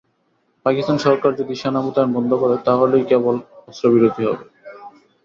পাকিস্তান সরকার যদি সেনা মোতায়েন বন্ধ করে, তাহলেই কেবল অস্ত্রবিরতি হবে।